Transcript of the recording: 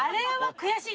悔しい！